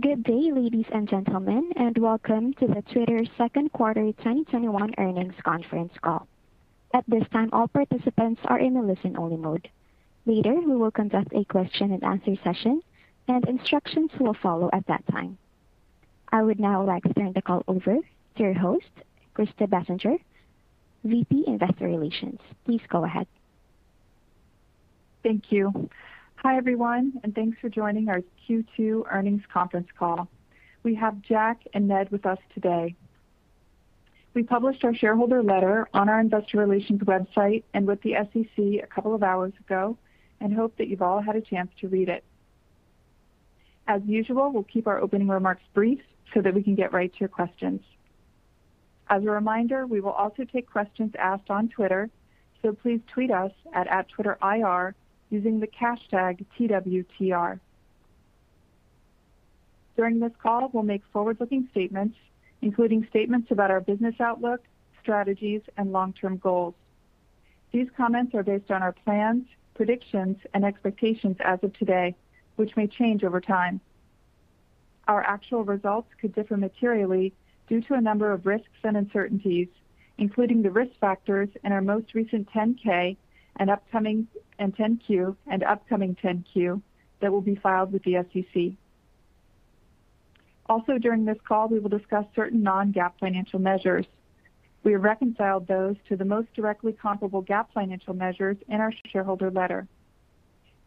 Good day, ladies and gentlemen, and welcome to the Twitter second quarter 2021 earnings conference call. At this time all participants are in a listen-only mode. We will be conducting a question-and-answer session and instructions to follow at that time. I would now like to turn the call over to your host, Krista Bessinger, VP, Investor Relations. Please go ahead. Thank you. Hi, everyone, and thanks for joining our Q2 earnings conference call. We have Jack and Ned with us today. We published our shareholder letter on our investor relations website and with the SEC a couple of hours ago. Hope that you've all had a chance to read it. As usual, we'll keep our opening remarks brief so that we can get right to your questions. As a reminder, we will also take questions asked on Twitter. Please tweet us at @TwitterIR using the hashtag #TWTR. During this call, we'll make forward-looking statements, including statements about our business outlook, strategies, and long-term goals. These comments are based on our plans, predictions, and expectations as of today, which may change over time. Our actual results could differ materially due to a number of risks and uncertainties, including the risk factors in our most recent 10-K and upcoming 10-Q, that will be filed with the SEC. Also, during this call, we will discuss certain non-GAAP financial measures. We have reconciled those to the most directly comparable GAAP financial measures in our shareholder letter.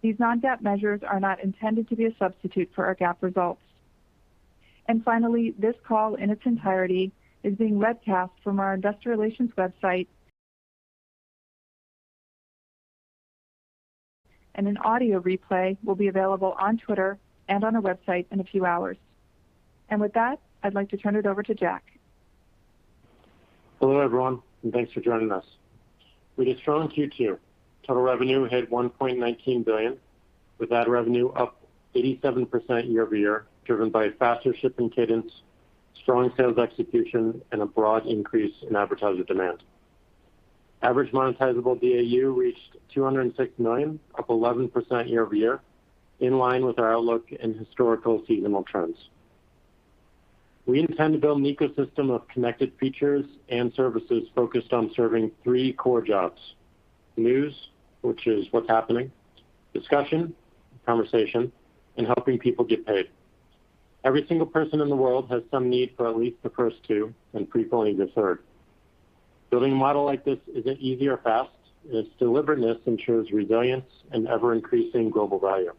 These non-GAAP measures are not intended to be a substitute for our GAAP results. Finally, this call in its entirety is being webcast from our investor relations website. An audio replay will be available on Twitter and on our website in a few hours. With that, I'd like to turn it over to Jack. Hello, everyone, and thanks for joining us. We had a strong Q2. Total revenue hit $1.19 billion, with ad revenue up 87% year-over-year, driven by faster shipping cadence, strong sales execution, and a broad increase in advertiser demand. Average monetizable DAU reached 206 million, up 11% year-over-year, in line with our outlook and historical seasonal trends. We intend to build an ecosystem of connected features and services focused on serving three core jobs, news, which is what's happening, discussion, conversation, and helping people get paid. Every single person in the world has some need for at least the first two, and preferably the third. Building a model like this isn't easy or fast. Its deliberateness ensures resilience and ever-increasing global value.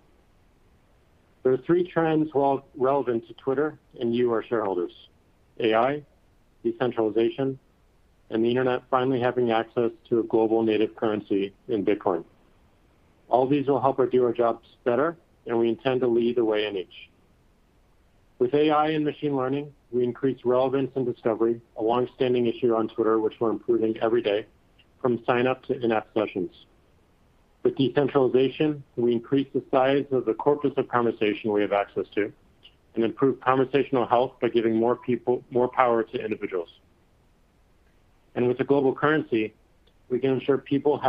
There are three trends relevant to Twitter and you, our shareholders: AI, decentralization, and the internet finally having access to a global native currency in Bitcoin. All these will help us do our jobs better, and we intend to lead the way in each. With AI and machine learning, we increase relevance and discovery, a longstanding issue on Twitter, which we're improving every day, from sign-up to in-app sessions. With decentralization, we increase the size of the corpus of conversation we have access to and improve conversational health by giving more power to individuals. With a global currency, we can ensure people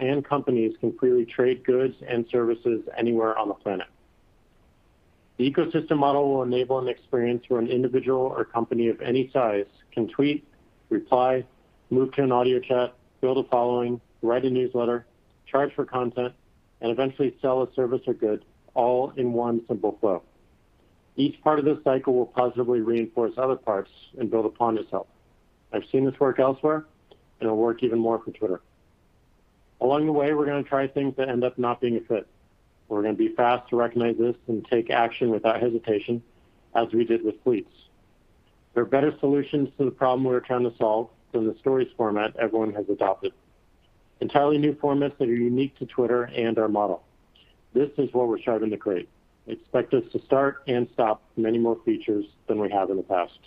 and companies can freely trade goods and services anywhere on the planet. The ecosystem model will enable an experience where an individual or company of any size can tweet, reply, move to an audio chat, build a following, write a newsletter, charge for content, and eventually sell a service or good, all in one simple flow. Each part of this cycle will positively reinforce other parts and build upon itself. I've seen this work elsewhere, and it'll work even more for Twitter. Along the way, we're going to try things that end up not being a fit. We're going to be fast to recognize this and take action without hesitation, as we did with Fleets. There are better solutions to the problem we're trying to solve than the stories format everyone has adopted. Entirely new formats that are unique to Twitter and our model. This is what we're striving to create. Expect us to start and stop many more features than we have in the past.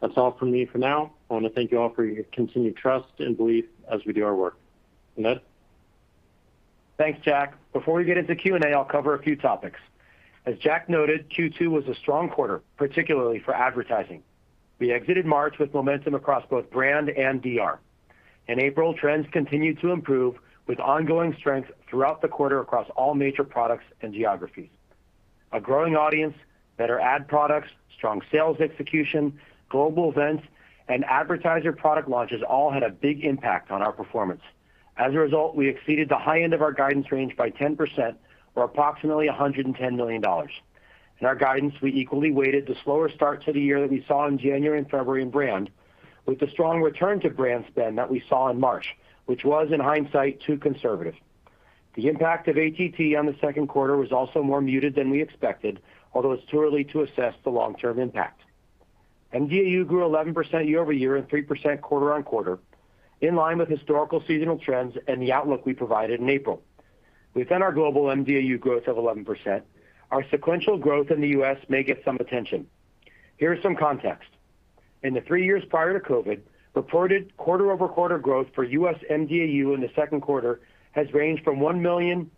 That is all from me for now. I want to thank you all for your continued trust and belief as we do our work. Ned? Thanks, Jack. Before we get into Q&A, I'll cover a few topics. As Jack noted, Q2 was a strong quarter, particularly for advertising. We exited March with momentum across both brand and DR. In April, trends continued to improve with ongoing strength throughout the quarter across all major products and geographies. A growing audience, better ad products, strong sales execution, global events, and advertiser product launches all had a big impact on our performance. As a result, we exceeded the high end of our guidance range by 10%, or approximately $110 million. In our guidance, we equally weighted the slower start to the year that we saw in January and February in brand with the strong return to brand spend that we saw in March, which was, in hindsight, too conservative. The impact of ATT on the second quarter was also more muted than we expected, although it's too early to assess the long-term impact. mDAU grew 11% year-over-year and 3% quarter-on-quarter, in line with historical seasonal trends and the outlook we provided in April. Within our global mDAU growth of 11%, our sequential growth in the U.S. may get some attention. Here is some context. In the three years prior to COVID, reported quarter-over-quarter growth for U.S. mDAU in the second quarter has ranged from 1 million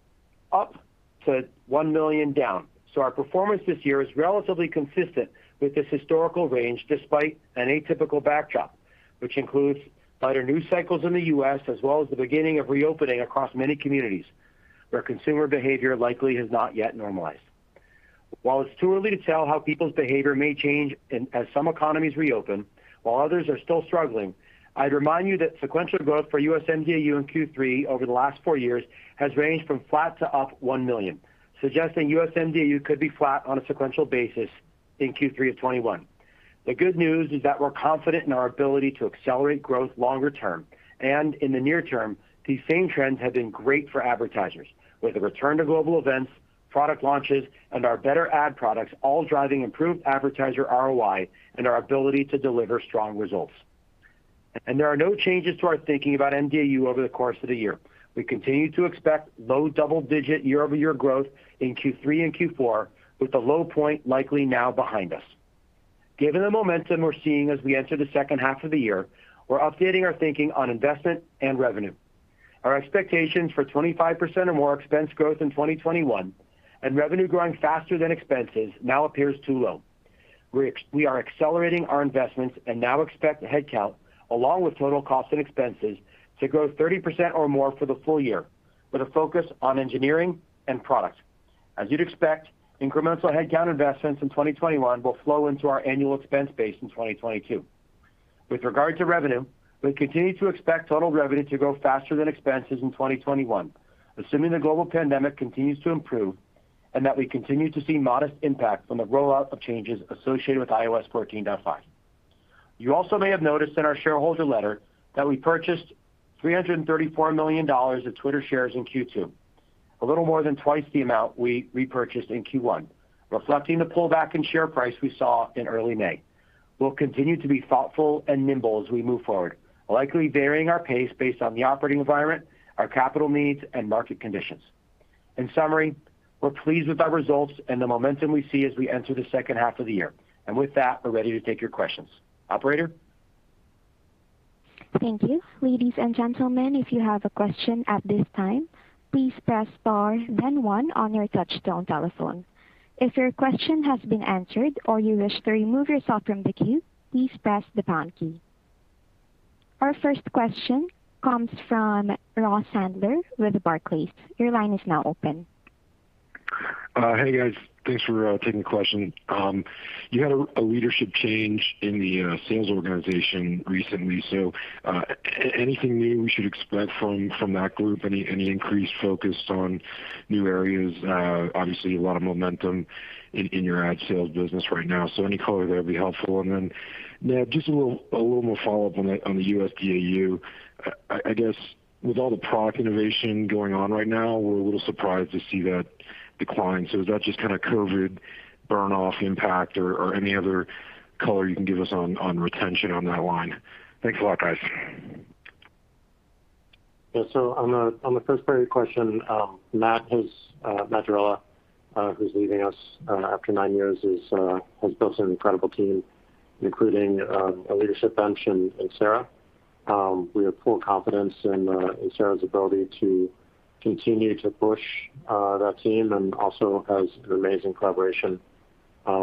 up to 1 million down. Our performance this year is relatively consistent with this historical range, despite an atypical backdrop, which includes lighter news cycles in the U.S., as well as the beginning of reopening across many communities, where consumer behavior likely has not yet normalized. While it's too early to tell how people's behavior may change as some economies reopen while others are still struggling, I'd remind you that sequential growth for U.S. mDAU in Q3 over the last four years has ranged from flat to up 1 million, suggesting U.S. mDAU could be flat on a sequential basis in Q3 of 2021. The good news is that we're confident in our ability to accelerate growth longer term, and in the near term, these same trends have been great for advertisers. With a return to global events, product launches, and our better ad products all driving improved advertiser ROI and our ability to deliver strong results. There are no changes to our thinking about mDAU over the course of the year. We continue to expect low double-digit year-over-year growth in Q3 and Q4, with the low point likely now behind us. Given the momentum we're seeing as we enter the second half of the year, we're updating our thinking on investment and revenue. Our expectations for 25% or more expense growth in 2021 and revenue growing faster than expenses now appears too low. We are accelerating our investments and now expect headcount, along with total costs and expenses, to grow 30% or more for the full year, with a focus on engineering and product. As you'd expect, incremental headcount investments in 2021 will flow into our annual expense base in 2022. With regard to revenue, we continue to expect total revenue to grow faster than expenses in 2021, assuming the global pandemic continues to improve and that we continue to see modest impact from the rollout of changes associated with iOS 14.5. You also may have noticed in our shareholder letter that we purchased $334 million of Twitter shares in Q2, a little more than twice the amount we repurchased in Q1, reflecting the pullback in share price we saw in early May. We'll continue to be thoughtful and nimble as we move forward, likely varying our pace based on the operating environment, our capital needs, and market conditions. In summary, we're pleased with our results and the momentum we see as we enter the second half of the year. With that, we're ready to take your questions. Operator? Thank you. Ladies and gentlemen if you have a question at this time, please press star then one on your touchtone telephone. If your question has been answered or you wish to remove yourself from the queue, please press the pound key. Our first question comes from Ross Sandler with Barclays. Hey, guys. Thanks for taking the question. You had a leadership change in the sales organization recently, anything new we should expect from that group? Any increased focus on new areas? Obviously, a lot of momentum in your ad sales business right now, any color there would be helpful. Ned, just a little more follow-up on the U.S. DAU. I guess with all the product innovation going on right now, we're a little surprised to see that decline. Is that just kind of COVID burn-off impact or any other color you can give us on retention on that line? Thanks a lot, guys. On the first part of your question, Matt Derella, who's leaving us after nine years, has built an incredible team, including a leadership bench in Sarah. We have full confidence in Sarah's ability to continue to push that team, and also has an amazing collaboration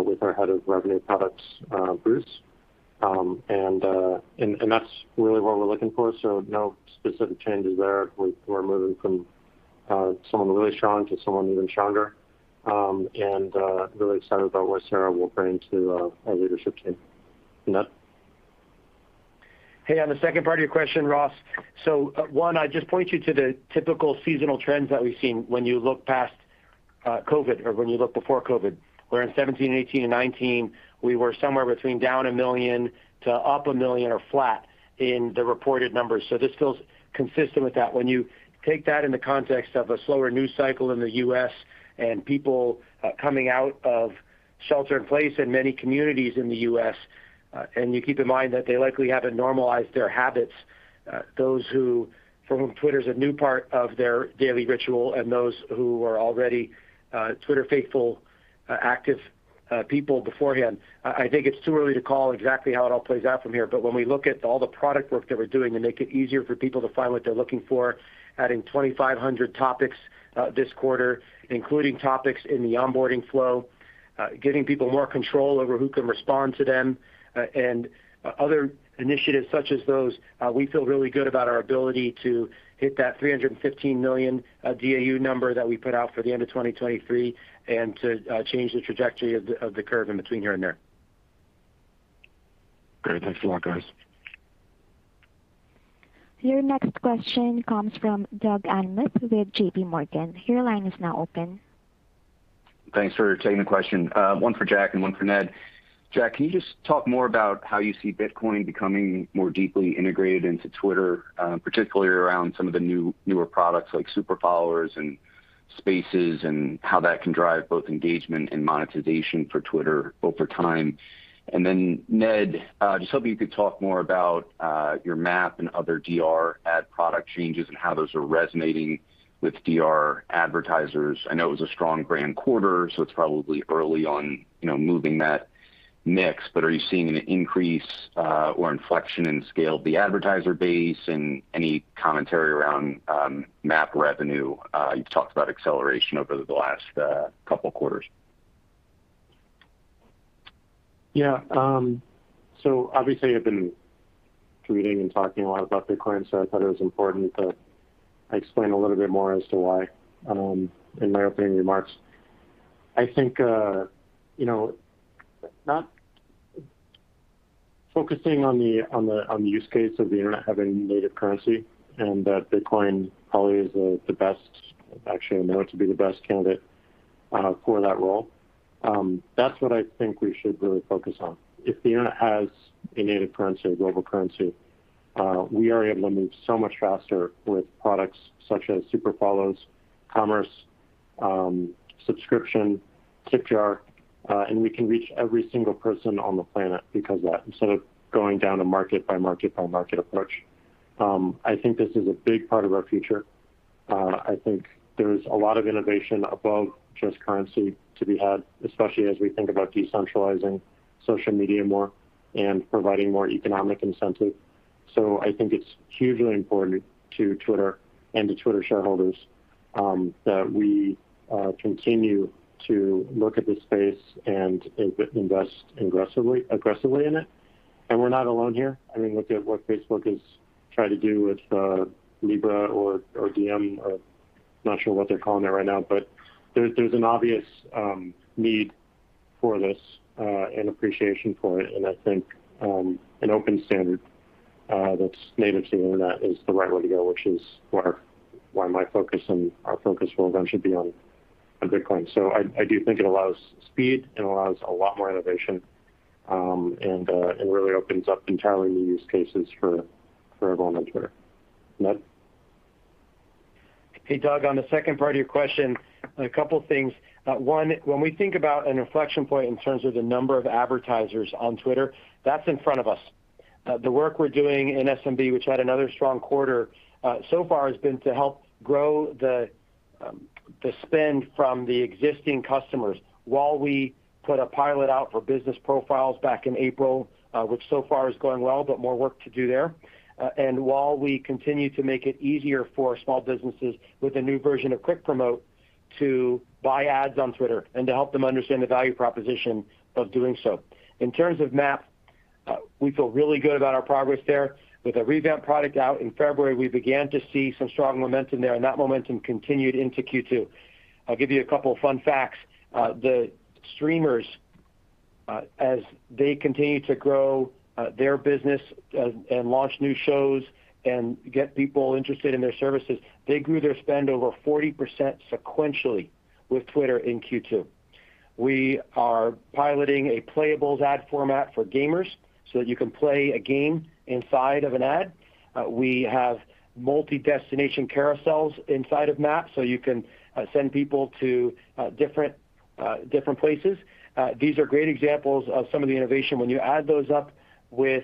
with our Head of Revenue Products, Bruce. That's really what we're looking for, so no specific changes there. We're moving from someone really strong to someone even stronger, really excited about what Sarah will bring to our leadership team. Ned? On the second part of your question, Ross, so one, I'd just point you to the typical seasonal trends that we've seen when you look past COVID or when you look before COVID, where in 2017, 2018, and 2019, we were somewhere between down 1 million to up 1 million or flat in the reported numbers. This feels consistent with that. When you take that in the context of a slower news cycle in the U.S. and people coming out of shelter in place in many communities in the U.S., and you keep in mind that they likely haven't normalized their habits, those for whom Twitter's a new part of their daily ritual and those who were already Twitter faithful, active people beforehand, I think it's too early to call exactly how it all plays out from here. When we look at all the product work that we're doing to make it easier for people to find what they're looking for, adding 2,500 topics this quarter, including topics in the onboarding flow, giving people more control over who can respond to them, and other initiatives such as those, we feel really good about our ability to hit that 315 million DAU number that we put out for the end of 2023, and to change the trajectory of the curve in between here and there. Great. Thanks a lot, guys. Your next question comes from Doug Anmuth with JPMorgan. Your line is now open. Thanks for taking the question. One for Jack and one for Ned. Jack, can you just talk more about how you see Bitcoin becoming more deeply integrated into Twitter, particularly around some of the newer products like Super Follows and Spaces, and how that can drive both engagement and monetization for Twitter over time? Ned, just hoping you could talk more about your MAP and other DR ad product changes and how those are resonating with DR advertisers. I know it was a strong brand quarter, so it's probably early on moving that mix, but are you seeing an increase or inflection in scale of the advertiser base and any commentary around MAP revenue? You've talked about acceleration over the last couple of quarters. Yeah. Obviously, I've been reading and talking a lot about Bitcoin, so I thought it was important to explain a little bit more as to why, in my opening remarks. I think, not focusing on the use case of the internet having a native currency, and that Bitcoin probably is actually on the road to be the best candidate for that role. That's what I think we should really focus on. If the internet has a native currency or global currency, we are able to move so much faster with products such as Super Follows, Commerce, Subscription, Tip Jar, and we can reach every single person on the planet because of that, instead of going down a market by market by market approach. I think this is a big part of our future. I think there's a lot of innovation above just currency to be had, especially as we think about decentralizing social media more and providing more economic incentive. I think it's hugely important to Twitter and to Twitter shareholders, that we continue to look at this space and invest aggressively in it. We're not alone here. Look at what Facebook has tried to do with Libra or Diem or not sure what they're calling it right now. There's an obvious need for this, an appreciation for it, and I think an open standard that's native to the internet is the right way to go, which is why my focus and our focus will eventually be on Bitcoin. I do think it allows speed, it allows a lot more innovation, and it really opens up entirely new use cases for our moment here. Ned. Hey, Doug, on the second part of your question, a couple things. One, when we think about an inflection point in terms of the number of advertisers on Twitter, that's in front of us. The work we're doing in SMB, which had another strong quarter, so far has been to help grow the spend from the existing customers while we put a pilot out for business profiles back in April, which so far is going well, but more work to do there. While we continue to make it easier for small businesses with a new version of Quick Promote to buy ads on Twitter and to help them understand the value proposition of doing so. In terms of MAP, we feel really good about our progress there. With a revamped product out in February, we began to see some strong momentum there, and that momentum continued into Q2. I'll give you a couple of fun facts. The streamers, as they continue to grow their business and launch new shows and get people interested in their services, they grew their spend over 40% sequentially with Twitter in Q2. We are piloting a playables ad format for gamers so that you can play a game inside of an ad. We have multi-destination carousels inside of MAP, so you can send people to different places. These are great examples of some of the innovation. When you add those up with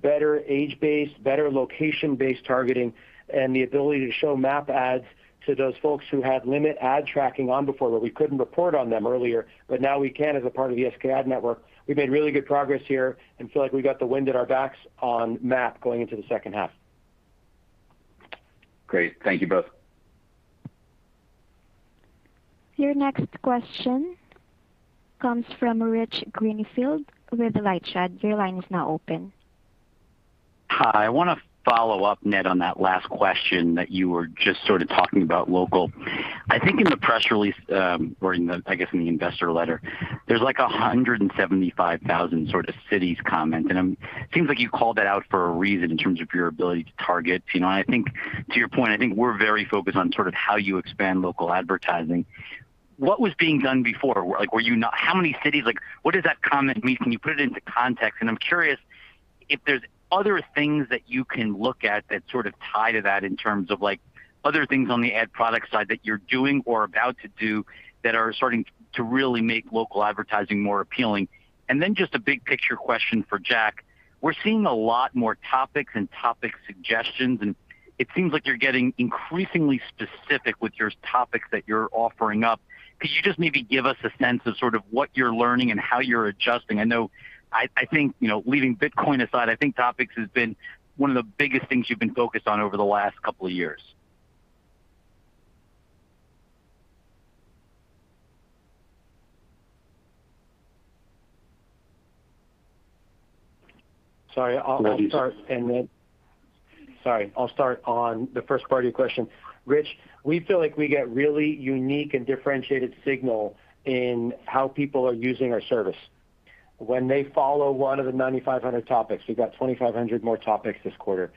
better age-based, better location-based targeting, and the ability to show MAP ads to those folks who had limit ad tracking on before, where we couldn't report on them earlier, but now we can as a part of the SKAdNetwork. We've made really good progress here and feel like we've got the wind at our backs on MAP going into the second half. Great. Thank you both. Your next question comes from Rich Greenfield with LightShed. Your line is now open. Hi. I want to follow up, Ned, on that last question that you were just sort of talking about local. I think in the press release, or in the, I guess, in the investor letter, there's like a 175,000 sort of cities comment, and it seems like you called that out for a reason in terms of your ability to target. To your point, I think we're very focused on sort of how you expand local advertising. What was being done before? What does that comment mean? Can you put it into context? I'm curious if there's other things that you can look at that sort of tie to that in terms of other things on the ad product side that you're doing or about to do that are starting to really make local advertising more appealing. Just a big picture question for Jack. We're seeing a lot more topics and topic suggestions, and it seems like you're getting increasingly specific with your topics that you're offering up. Could you just maybe give us a sense of sort of what you're learning and how you're adjusting? I think, leaving Bitcoin aside, I think topics has been one of the biggest things you've been focused on over the last couple of years. Sorry. I'll start on the first part of your question. Rich, we feel like we get really unique and differentiated signal in how people are using our service. When they follow one of the 9,500 topics, we've got 2,500 more topics this quarter.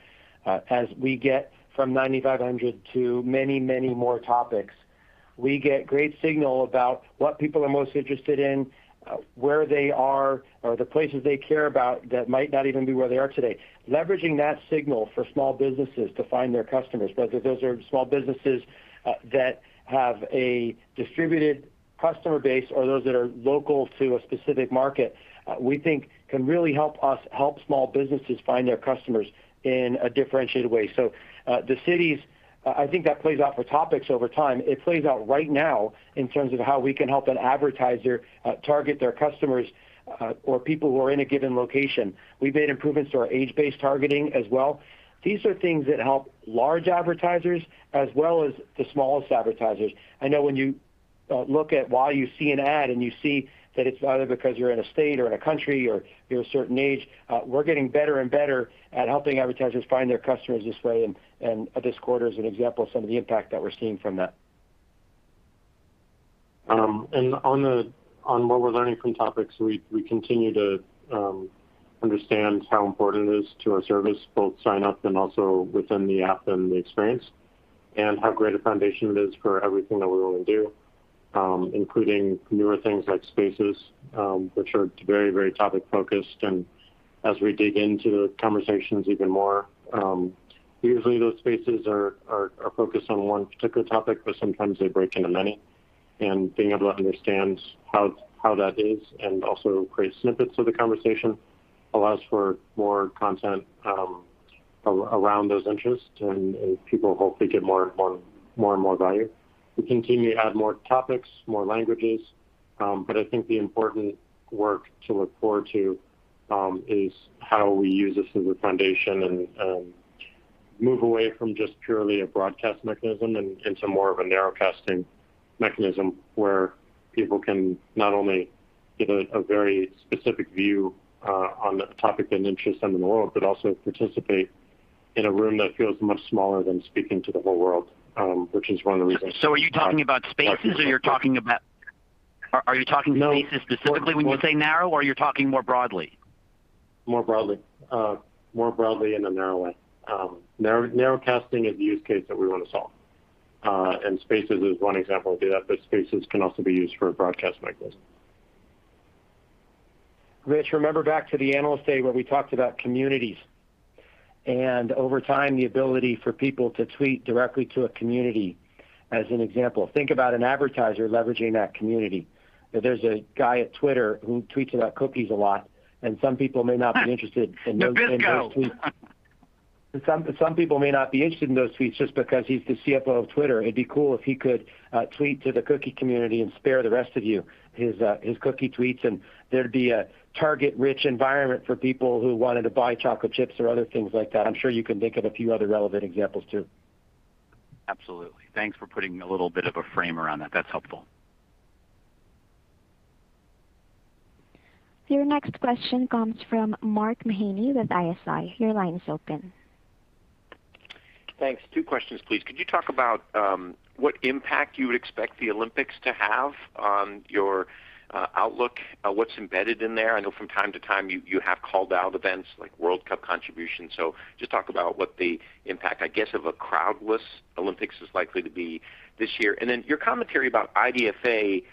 As we get from 9,500 to many, many more topics, we get great signal about what people are most interested in, where they are, or the places they care about that might not even be where they are today. Leveraging that signal for small businesses to find their customers, whether those are small businesses that have a distributed customer base or those that are local to a specific market, we think can really help us help small businesses find their customers in a differentiated way. The cities, I think that plays out for topics over time. It plays out right now in terms of how we can help an advertiser target their customers or people who are in a given location. We've made improvements to our age-based targeting as well. These are things that help large advertisers as well as the smallest advertisers. I know when you look at why you see an ad and you see that it's either because you're in a state or in a country, or you're a certain age. We're getting better and better at helping advertisers find their customers this way. This quarter is an example of some of the impact that we're seeing from that. On what we're learning from topics, we continue to understand how important it is to our service, both sign-up and also within the app and the experience, and how great a foundation it is for everything that we want to do, including newer things like Spaces, which are very topic-focused. As we dig into the conversations even more, usually those Spaces are focused on one particular topic, but sometimes they break into many. Being able to understand how that is and also create snippets of the conversation allows for more content around those interests, and people hopefully get more and more value. We continue to add more topics, more languages. I think the important work to look forward to is how we use this as a foundation and move away from just purely a broadcast mechanism and into more of a narrowcasting mechanism where people can not only get a very specific view on the topic and interest and in the world, but also participate in a room that feels much smaller than speaking to the whole world, which is one of the reasons. Are you talking about Spaces? No. Are you talking Spaces specifically when you say narrow, or are you talking more broadly? More broadly. More broadly in a narrow way. Narrowcasting is the use case that we want to solve. Spaces is one example of that, but Spaces can also be used for a broadcast mechanism. Rich, remember back to the Analyst Day where we talked about communities, and over time, the ability for people to tweet directly to a community as an example. Think about an advertiser leveraging that community. There's a guy at Twitter who tweets about cookies a lot, and some people may not be interested in those tweets. Nabisco. Some people may not be interested in those tweets just because he's the CFO of Twitter. It'd be cool if he could tweet to the cookie community and spare the rest of you his cookie tweets, and there'd be a target-rich environment for people who wanted to buy chocolate chips or other things like that. I'm sure you can think of a few other relevant examples, too. Absolutely. Thanks for putting a little bit of a frame around that. That's helpful. Your next question comes from Mark Mahaney with ISI. Your line is open. Thanks. Two questions, please. Could you talk about what impact you would expect the Olympics to have on your outlook, what's embedded in there? I know from time to time you have called out events like World Cup contributions. Just talk about what the impact, I guess, of a crowd-less Olympics is likely to be this year. Your commentary about IDFA,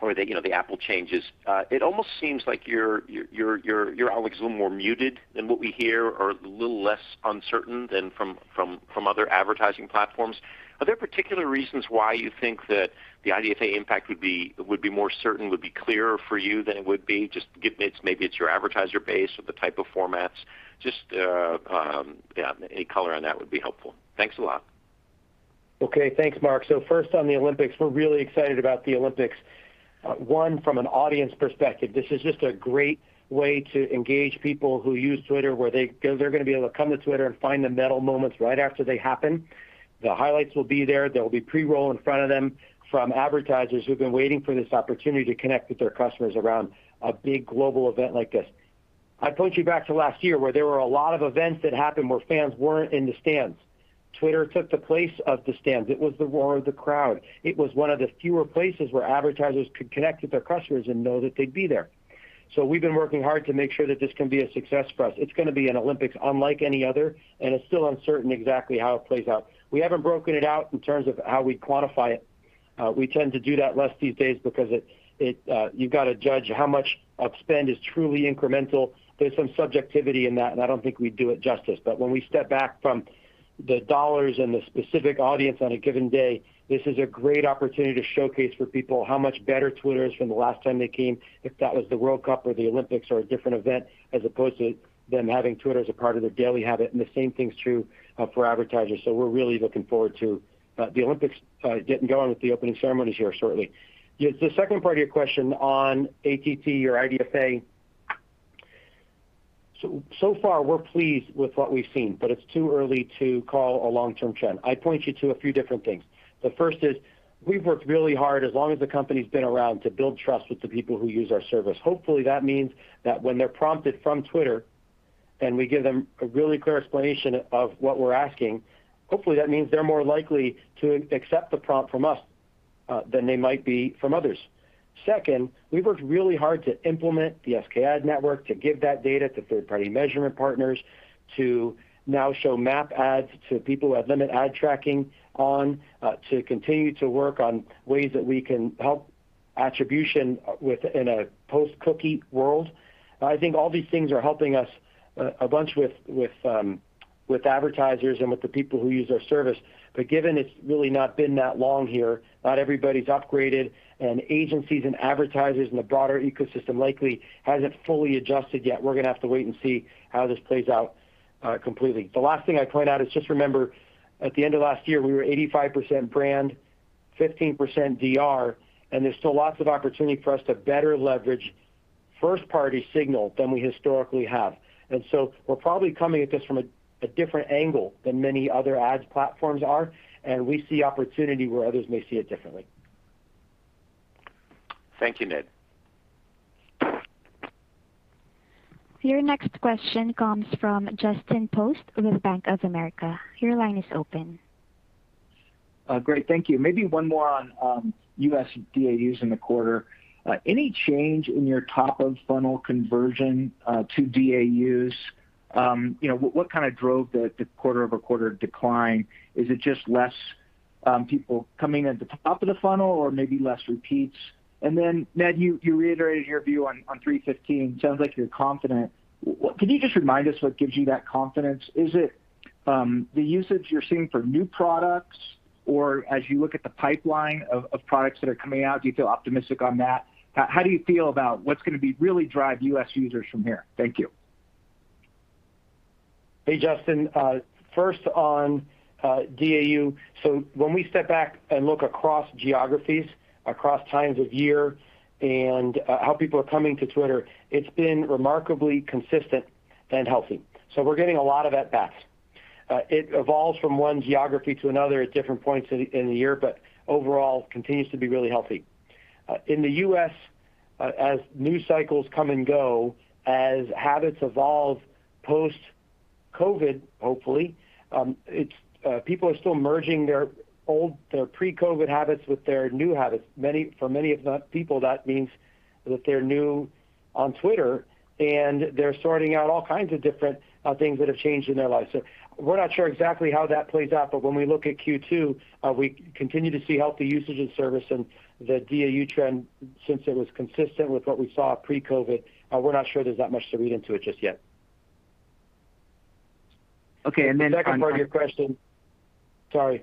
or the Apple changes. It almost seems like your outlook is a little more muted than what we hear or a little less uncertain than from other advertising platforms. Are there particular reasons why you think that the IDFA impact would be more certain, would be clearer for you than it would be just maybe it's your advertiser base or the type of formats? Just, yeah. Any color on that would be helpful. Thanks a lot. Thanks, Mark. First on the Olympics, we're really excited about the Olympics. One, from an audience perspective, this is just a great way to engage people who use Twitter, where they're going to be able to come to Twitter and find the medal moments right after they happen. The highlights will be there. There will be pre-roll in front of them from advertisers who've been waiting for this opportunity to connect with their customers around a big global event like this. I point you back to last year where there were a lot of events that happened where fans weren't in the stands. Twitter took the place of the stands. It was the roar of the crowd. It was one of the fewer places where advertisers could connect with their customers and know that they'd be there. We've been working hard to make sure that this can be a success for us. It's going to be an Olympics unlike any other, and it's still uncertain exactly how it plays out. We haven't broken it out in terms of how we quantify it. We tend to do that less these days because you've got to judge how much of spend is truly incremental. There's some subjectivity in that, and I don't think we do it justice. When we step back from the dollars and the specific audience on a given day, this is a great opportunity to showcase for people how much better Twitter is from the last time they came, if that was the World Cup or the Olympics or a different event, as opposed to them having Twitter as a part of their daily habit. The same thing's true for advertisers. We're really looking forward to the Olympics getting going with the opening ceremonies here shortly. The second part of your question on ATT or IDFA. So far, we're pleased with what we've seen, but it's too early to call a long-term trend. I'd point you to a few different things. The first is, we've worked really hard, as long as the company's been around, to build trust with the people who use our service. Hopefully, that means that when they're prompted from Twitter and we give them a really clear explanation of what we're asking, hopefully, that means they're more likely to accept the prompt from us, than they might be from others. Second, we've worked really hard to implement the SKAdNetwork, to give that data to third-party measurement partners, to now show MAP ads to people who have limit ad tracking on, to continue to work on ways that we can help attribution in a post-cookie world. I think all these things are helping us a bunch with advertisers and with the people who use our service. Given it's really not been that long here, not everybody's upgraded, and agencies and advertisers in the broader ecosystem likely hasn't fully adjusted yet. We're going to have to wait and see how this plays out completely. The last thing I'd point out is just remember at the end of last year, we were 85% brand, 15% DR, and there's still lots of opportunity for us to better leverage first-party signal than we historically have. We're probably coming at this from a different angle than many other ads platforms are, and we see opportunity where others may see it differently. Thank you, Ned. Your next question comes from Justin Post with Bank of America. Your line is open. Great. Thank you. Maybe one more on U.S. DAUs in the quarter. Any change in your top-of-funnel conversion to DAUs? What drove the quarter-over-quarter decline? Is it just less people coming at the top of the funnel or maybe less repeats? Ned, you reiterated your view on 315. Sounds like you're confident. Can you just remind us what gives you that confidence? Is it the usage you're seeing for new products, or as you look at the pipeline of products that are coming out, do you feel optimistic on that? How do you feel about what's going to really drive U.S. users from here? Thank you. Hey, Justin. First on DAU. When we step back and look across geographies, across times of year, and how people are coming to Twitter, it's been remarkably consistent and healthy. We're getting a lot of at bats. It evolves from one geography to another at different points in the year, but overall continues to be really healthy. In the U.S., as news cycles come and go, as habits evolve post-COVID, hopefully, people are still merging their pre-COVID habits with their new habits. For many of the people, that means that they're new on Twitter, and they're sorting out all kinds of different things that have changed in their lives. We're not sure exactly how that plays out, but when we look at Q2, we continue to see healthy usage of the service and the DAU trend since it was consistent with what we saw pre-COVID. We're not sure there's that much to read into it just yet. Okay. Second part of your question. Sorry.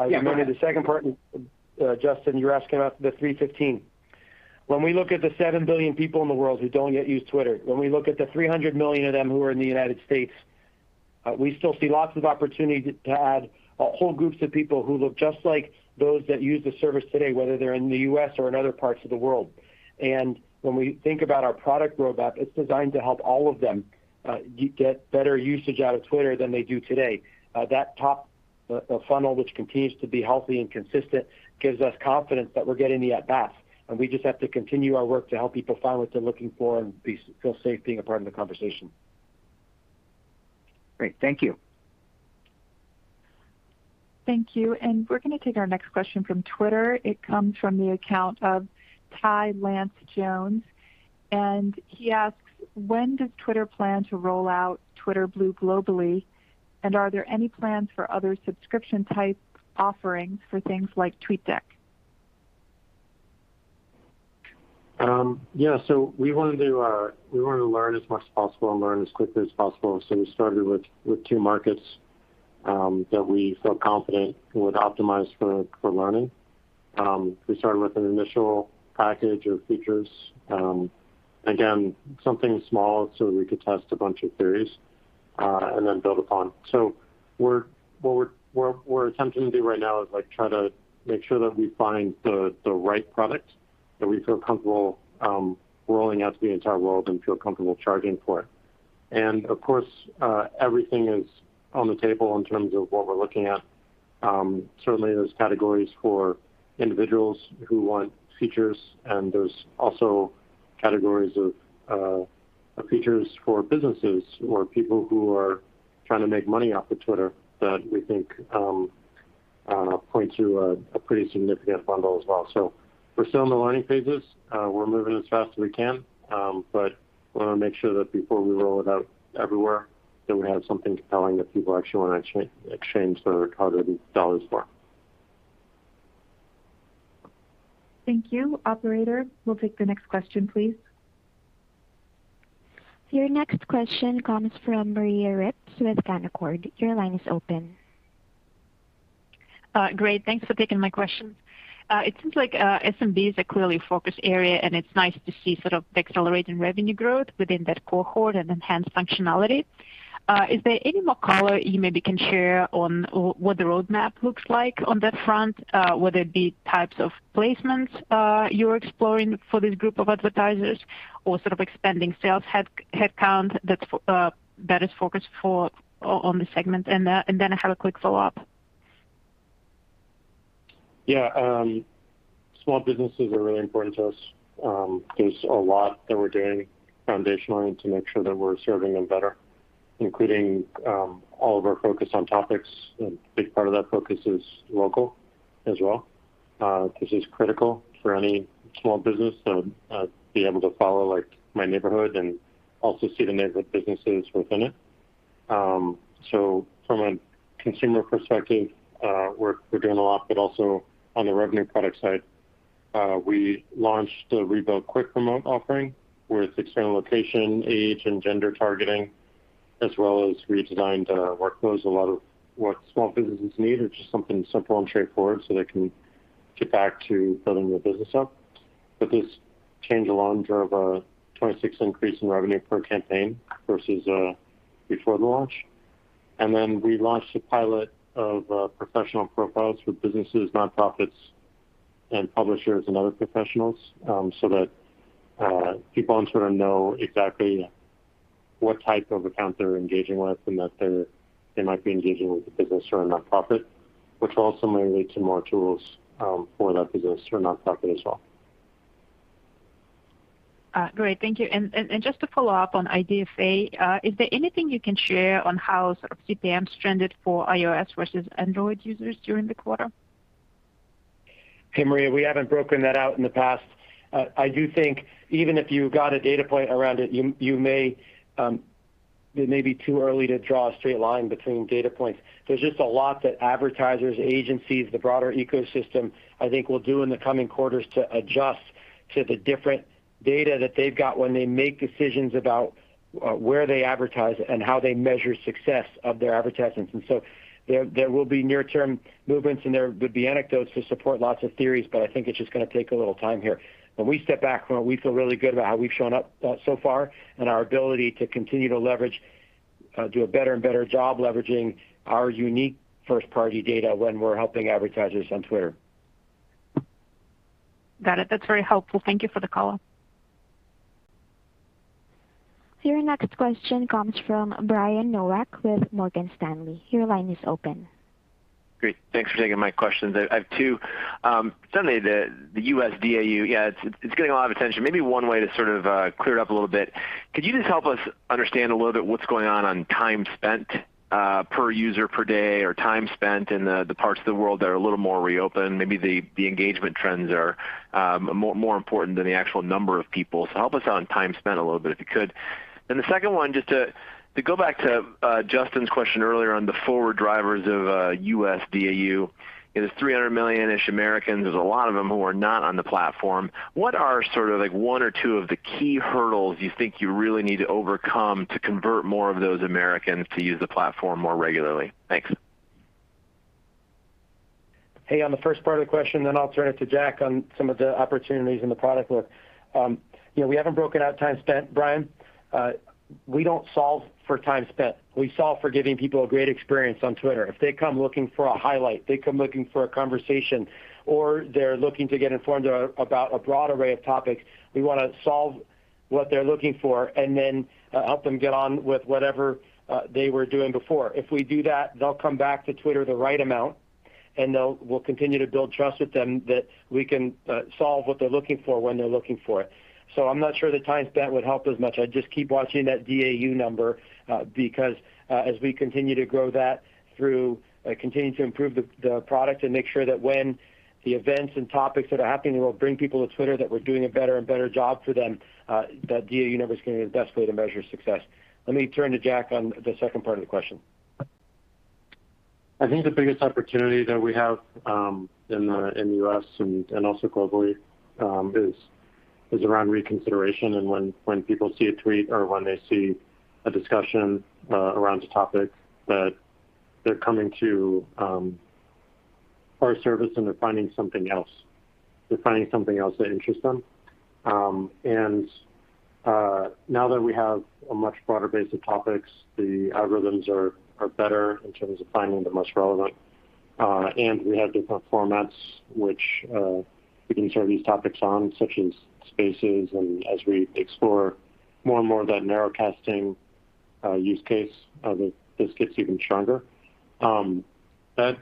Yeah, go ahead. You wanted the second part, Justin, you're asking about the 315? When we look at the 7 billion people in the world who don't yet use Twitter, when we look at the 300 million of them who are in the U.S., we still see lots of opportunity to add whole groups of people who look just like those that use the service today, whether they're in the U.S. or in other parts of the world. When we think about our product roadmap, it's designed to help all of them get better usage out of Twitter than they do today. That top-of-funnel, which continues to be healthy and consistent, gives us confidence that we're getting the at bats, and we just have to continue our work to help people find what they're looking for and feel safe being a part of the conversation. Great. Thank you. Thank you. We're going to take our next question from Twitter. It comes from the account of Tye Lance Jones, and he asks, "When does Twitter plan to roll out Twitter Blue globally, and are there any plans for other subscription-type offerings for things like TweetDeck? Yeah. We want to learn as much as possible and learn as quickly as possible. We started with two markets that we felt confident would optimize for learning. We started with an initial package of features. Again, something small so that we could test a bunch of theories, and then build upon. What we're attempting to do right now is try to make sure that we find the right product that we feel comfortable rolling out to the entire world and feel comfortable charging for it. Of course, everything is on the table in terms of what we're looking at. Certainly, there's categories for individuals who want features, and there's also categories of features for businesses or people who are trying to make money off of Twitter that we think point to a pretty significant bundle as well. We're still in the learning phases. We're moving as fast as we can. We want to make sure that before we roll it out everywhere, that we have something compelling that people actually want to exchange their hard-earned dollars for. Thank you. Operator, we'll take the next question, please. Your next question comes from Maria Ripps with Canaccord. Your line is open. Great. Thanks for taking my questions. It seems like SMB is a clearly focused area, and it's nice to see the accelerated revenue growth within that cohort and enhanced functionality. Is there any more color you maybe can share on what the roadmap looks like on that front? Whether it be types of placements you're exploring for this group of advertisers or expanding sales headcount that is focused on the segment. I have a quick follow-up. Yeah. Small businesses are really important to us. There's a lot that we're doing foundationally to make sure that we're serving them better, including all of our focus on topics. A big part of that focus is local as well, which is critical for any small business to be able to follow my neighborhood and also see the neighborhood businesses within it. From a consumer perspective, we're doing a lot, but also on the revenue product side, we launched a rebuilt Quick Promote offering with external location, age, and gender targeting, as well as redesigned our workflows. A lot of what small businesses need is just something simple and straightforward so they can get back to building their business up. This change alone drove a 26% increase in revenue per campaign versus before the launch. We launched a pilot of professional profiles for businesses, nonprofits, and publishers, and other professionals, so that people on Twitter know exactly what type of account they're engaging with, and that they might be engaging with a business or a nonprofit, which will also may lead to more tools for that business or nonprofit as well. Great. Thank you. Just to follow up on IDFA, is there anything you can share on how CPMs trended for iOS versus Android users during the quarter? Hey, Maria. We haven't broken that out in the past. I do think even if you got a data point around it may be too early to draw a straight line between data points. There's just a lot that advertisers, agencies, the broader ecosystem, I think, will do in the coming quarters to adjust to the different data that they've got when they make decisions about where they advertise and how they measure success of their advertisements. There will be near-term movements, and there would be anecdotes to support lots of theories, but I think it's just going to take a little time here. When we step back from it, we feel really good about how we've shown up so far and our ability to continue to do a better and better job leveraging our unique first-party data when we're helping advertisers on Twitter. Got it. That's very helpful. Thank you for the color. Your next question comes from Brian Nowak with Morgan Stanley. Your line is open. Great. Thanks for taking my questions. I have two. Certainly, the U.S. DAU, it's getting a lot of attention. Maybe one way to clear it up a little bit, could you just help us understand a little bit what's going on time spent per user per day, or time spent in the parts of the world that are a little more reopened? Maybe the engagement trends are more important than the actual number of people. Help us out on time spent a little bit, if you could. The second one, just to go back to Justin's question earlier on the forward drivers of U.S. DAU. There's 300 million-ish Americans. There's a lot of them who are not on the platform. What are one or two of the key hurdles you think you really need to overcome to convert more of those Americans to use the platform more regularly? Thanks. Hey. On the first part of the question, then I'll turn it to Jack on some of the opportunities in the product look. We haven't broken out time spent, Brian. We don't solve for time spent. We solve for giving people a great experience on Twitter. If they come looking for a highlight, they come looking for a conversation, or they're looking to get informed about a broad array of topics, we want to solve what they're looking for and then help them get on with whatever they were doing before. If we do that, they'll come back to Twitter the right amount, and we'll continue to build trust with them that we can solve what they're looking for when they're looking for it. I'm not sure that time spent would help as much. I'd just keep watching that DAU number, because as we continue to grow that through continuing to improve the product and make sure that when the events and topics that are happening will bring people to Twitter, that we're doing a better and better job for them, that DAU number is going to be the best way to measure success. Let me turn to Jack on the second part of the question. I think the biggest opportunity that we have in the U.S. and also globally, is around reconsideration and when people see a tweet or when they see a discussion around a topic, that they're coming to our service and they're finding something else. They're finding something else that interests them. Now that we have a much broader base of topics, the algorithms are better in terms of finding the most relevant. We have different formats which we can serve these topics on, such as Spaces. As we explore more and more of that narrow casting use case, this gets even stronger. That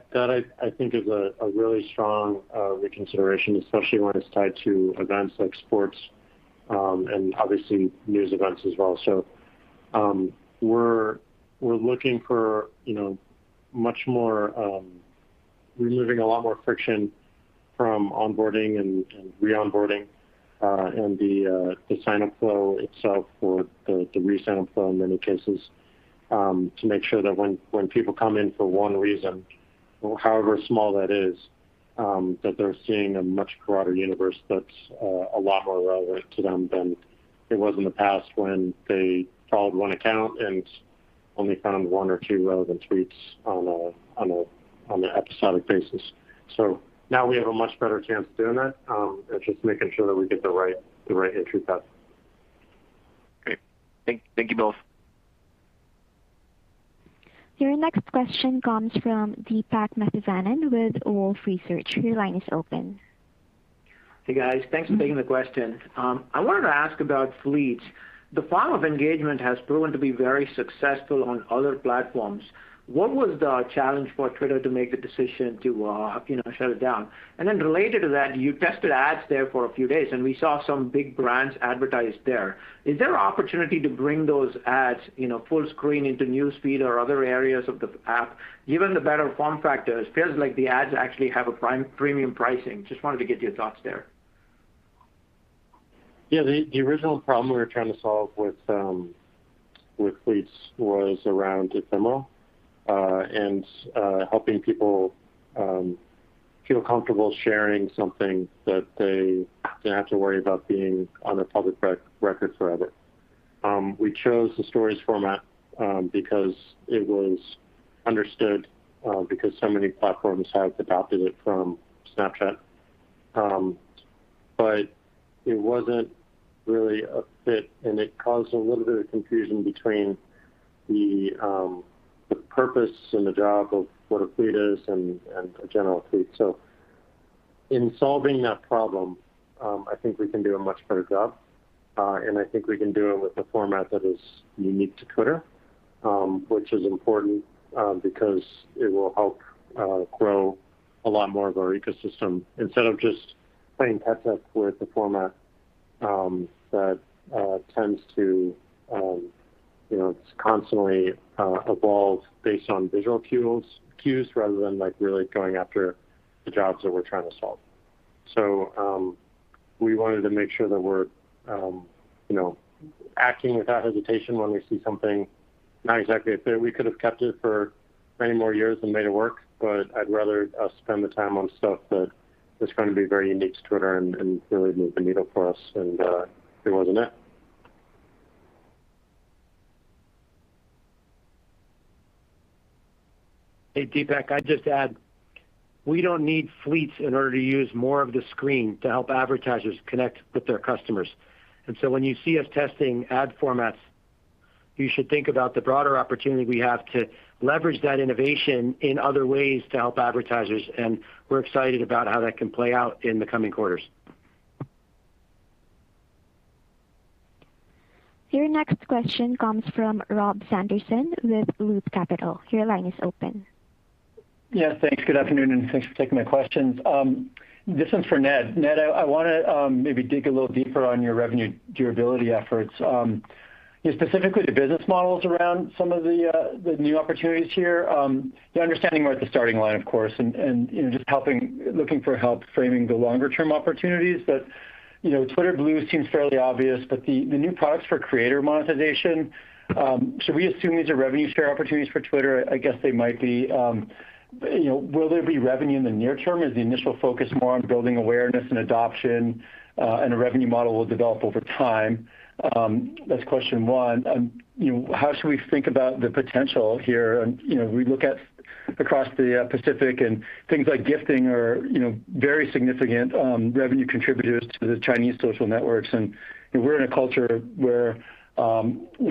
I think is a really strong reconsideration, especially when it's tied to events like sports, and obviously news events as well. We're looking for removing a lot more friction from onboarding and re-onboarding, and the sign-up flow itself or the re-sign-up flow in many cases, to make sure that when people come in for one reason, however small that is, that they're seeing a much broader universe that's a lot more relevant to them than it was in the past when they followed one account and only found one or two relevant tweets on an episodic basis. Now we have a much better chance of doing that. It's just making sure that we get the right entry path. Great. Thank you both. Your next question comes from Deepak Mathivanan with Wolfe Research. Your line is open. Hey, guys. Thanks for taking the question. I wanted to ask about Fleets. The form of engagement has proven to be very successful on other platforms. What was the challenge for Twitter to make the decision to shut it down? Then related to that, you tested ads there for a few days, and we saw some big brands advertised there. Is there an opportunity to bring those ads full screen into newsfeed or other areas of the app, given the better form factor? It feels like the ads actually have a premium pricing. Just wanted to get your thoughts there. Yeah. The original problem we were trying to solve with Fleets was around ephemera, and helping people feel comfortable sharing something that they didn't have to worry about being on a public record forever. We chose the Stories format because it was understood because so many platforms have adopted it from Snapchat. It wasn't really a fit, and it caused a little bit of confusion between the purpose and the job of what a tweet is and a general tweet. In solving that problem, I think we can do a much better job, and I think we can do it with a format that is unique to Twitter, which is important because it will help grow a lot more of our ecosystem instead of just playing catch up with a format that tends to constantly evolve based on visual cues rather than really going after the jobs that we're trying to solve. We wanted to make sure that we're acting without hesitation when we see something not exactly fit. We could have kept it for many more years and made it work, but I'd rather us spend the time on stuff that is going to be very unique to Twitter and really move the needle for us, and it wasn't it. Hey, Deepak, I'd just add, we don't need Fleets in order to use more of the screen to help advertisers connect with their customers. When you see us testing ad formats, you should think about the broader opportunity we have to leverage that innovation in other ways to help advertisers, and we're excited about how that can play out in the coming quarters. Your next question comes from Rob Sanderson with Loop Capital. Your line is open. Yeah, thanks. Good afternoon, and thanks for taking my questions. This one's for Ned. Ned, I want to maybe dig a little deeper on your revenue durability efforts. Specifically the business models around some of the new opportunities here. Understanding we're at the starting line, of course, and just looking for help framing the longer-term opportunities. That Twitter Blue seems fairly obvious, but the new products for creator monetization, should we assume these are revenue share opportunities for Twitter? I guess they might be. Will there be revenue in the near term? Is the initial focus more on building awareness and adoption, and a revenue model will develop over time? That's question one. How should we think about the potential here? We look at across the Pacific and things like gifting are very significant revenue contributors to the Chinese social networks, and we're in a culture where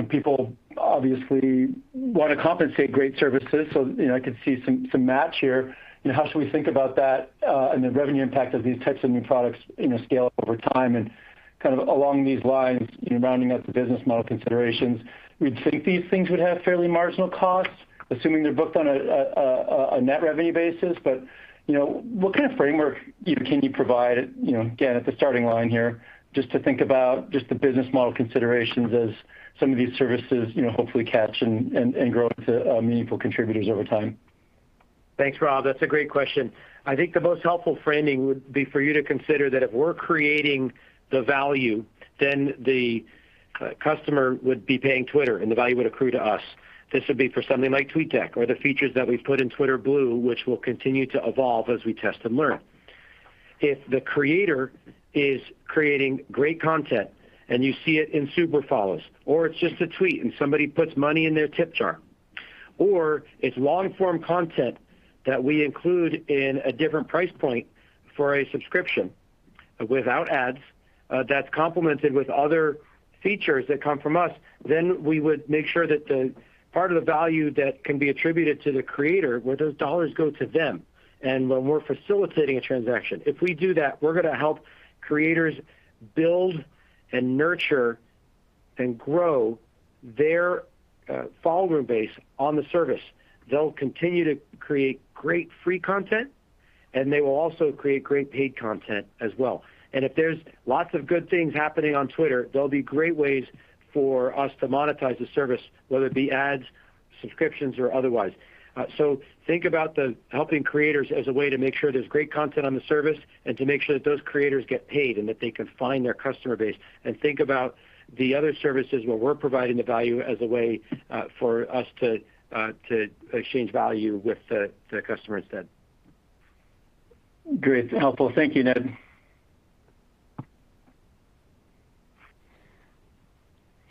people obviously want to compensate great services. I could see some match here. How should we think about that and the revenue impact of these types of new products scale over time? Along these lines, rounding out the business model considerations, we'd think these things would have fairly marginal costs, assuming they're booked on a net revenue basis. What kind of framework can you provide, again, at the starting line here, just to think about just the business model considerations as some of these services hopefully catch and grow into meaningful contributors over time. Thanks, Rob. That's a great question. I think the most helpful framing would be for you to consider that if we're creating the value, then the customer would be paying Twitter and the value would accrue to us. This would be for something like TweetDeck or the features that we've put in Twitter Blue, which will continue to evolve as we test and learn. If the creator is creating great content and you see it in Super Follows, or it's just a tweet and somebody puts money in their Tip Jar, or it's long-form content that we include in a different price point for a subscription without ads that's complemented with other features that come from us, then we would make sure that the part of the value that can be attributed to the creator, where those dollars go to them, and when we're facilitating a transaction. If we do that, we're going to help creators build and nurture and grow their follower base on the service. They'll continue to create great free content, they will also create great paid content as well. If there's lots of good things happening on Twitter, there'll be great ways for us to monetize the service, whether it be ads, subscriptions, or otherwise. Think about the helping creators as a way to make sure there's great content on the service and to make sure that those creators get paid and that they can find their customer base and think about the other services where we're providing the value as a way for us to exchange value with the customer instead. Great. Helpful. Thank you, Ned.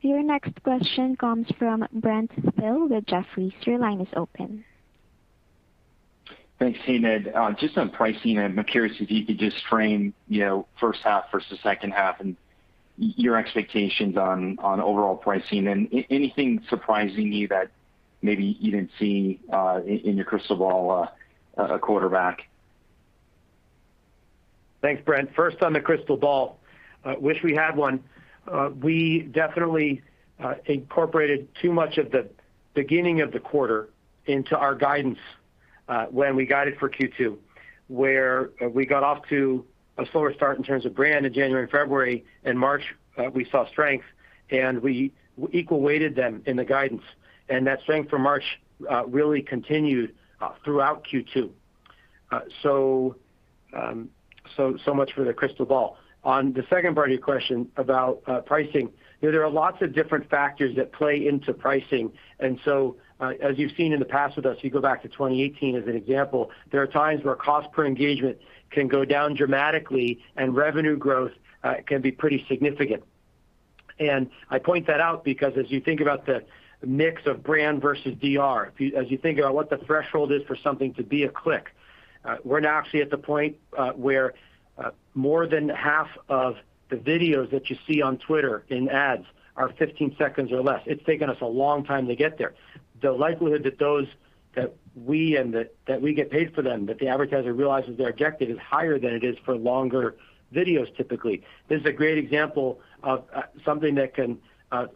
Your next question comes from Brent Thill with Jefferies. Your line is open. Thanks. Hey, Ned. Just on pricing, I'm curious if you could just frame first half versus second half and your expectations on overall pricing and anything surprising you that maybe you didn't see in your crystal ball a quarter back. Thanks, Brent. First on the crystal ball. Wish we had one. We definitely incorporated too much of the beginning of the quarter into our guidance when we guided for Q2, where we got off to a slower start in terms of brand in January and February. In March, we saw strength, and we equal weighted them in the guidance, and that strength for March really continued throughout Q2. So much for the crystal ball. On the second part of your question about pricing, there are lots of different factors that play into pricing. As you've seen in the past with us, you go back to 2018 as an example. There are times where cost per engagement can go down dramatically and revenue growth can be pretty significant. I point that out because as you think about the mix of brand versus DR, as you think about what the threshold is for something to be a click, we're now actually at the point where more than half of the videos that you see on Twitter in ads are 15 seconds or less. It's taken us a long time to get there. The likelihood that we get paid for them, that the advertiser realizes their objective, is higher than it is for longer videos, typically. This is a great example of something that can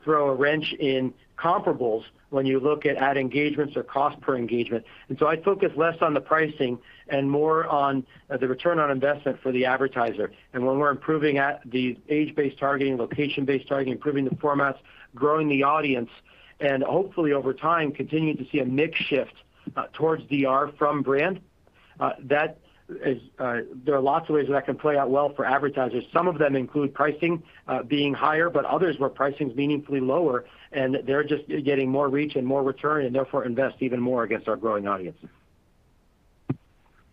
throw a wrench in comparables when you look at ad engagements or cost per engagement. So I'd focus less on the pricing and more on the return on investment for the advertiser. When we're improving at the age-based targeting, location-based targeting, improving the formats, growing the audience, and hopefully over time, continuing to see a mix shift towards DR from brand, there are lots of ways that that can play out well for advertisers. Some of them include pricing being higher, but others where pricing's meaningfully lower, and they're just getting more reach and more return, and therefore invest even more against our growing audience.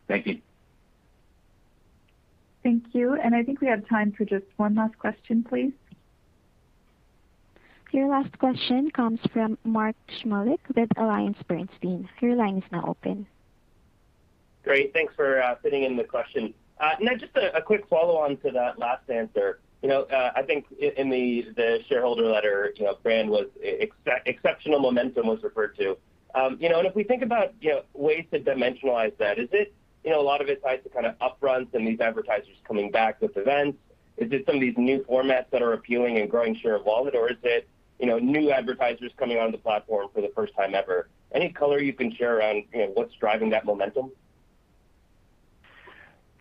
Thank you. Thank you. I think we have time for just one last question, please. Your last question comes from Mark Shmulik with AllianceBernstein. Your line is now open. Great. Thanks for fitting in the question. Ned, just a quick follow-on to that last answer. I think in the shareholder letter, exceptional momentum was referred to. If we think about ways to dimensionalize that, is it a lot of it tied to upfronts and these advertisers coming back with events? Is it some of these new formats that are appealing and growing share of wallet, or is it new advertisers coming on the platform for the first time ever? Any color you can share on what's driving that momentum?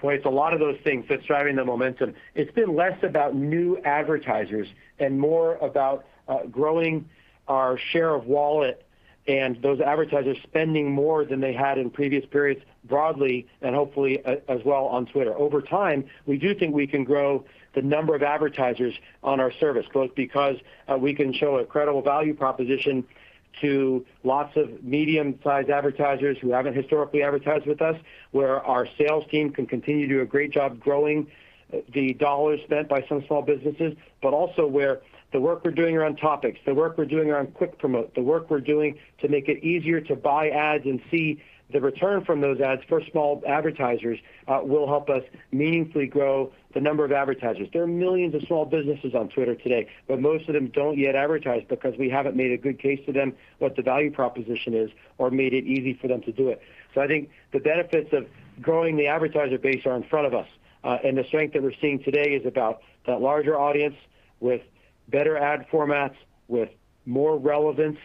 Boy, it's a lot of those things that's driving the momentum. It's been less about new advertisers and more about growing our share of wallet and those advertisers spending more than they had in previous periods broadly, and hopefully as well on Twitter. Over time, we do think we can grow the number of advertisers on our service, both because we can show a credible value proposition to lots of medium-sized advertisers who haven't historically advertised with us, where our sales team can continue to do a great job growing the dollars spent by some small businesses. Also where the work we're doing around topics, the work we're doing around Quick Promote, the work we're doing to make it easier to buy ads and see the return from those ads for small advertisers, will help us meaningfully grow the number of advertisers. There are millions of small businesses on Twitter today, but most of them don't yet advertise because we haven't made a good case to them what the value proposition is or made it easy for them to do it. I think the benefits of growing the advertiser base are in front of us. The strength that we're seeing today is about that larger audience with better ad formats, with more relevance,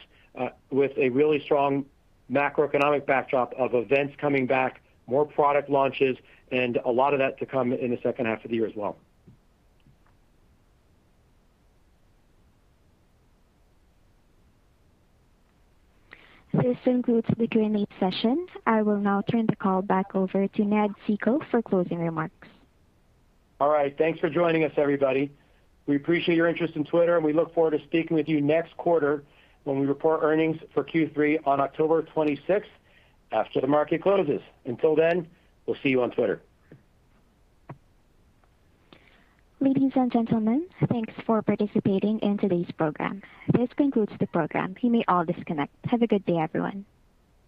with a really strong macroeconomic backdrop of events coming back, more product launches, and a lot of that to come in the second half of the year as well. This concludes the Q&A session. I will now turn the call back over to Ned Segal for closing remarks. All right. Thanks for joining us, everybody. We appreciate your interest in Twitter. We look forward to speaking with you next quarter when we report earnings for Q3 on October 26th, after the market closes. Until then, we'll see you on Twitter. Ladies and gentlemen, thanks for participating in today's program. This concludes the program. You may all disconnect. Have a good day, everyone.